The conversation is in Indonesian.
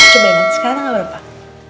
coba inget sekarang apa pak